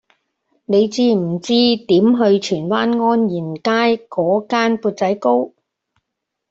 你知唔知點去荃灣安賢街嗰間缽仔糕